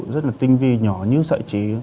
rất là tinh vi nhỏ như sợi trí